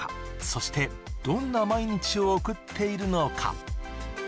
そしてどんな毎日を送っているのか？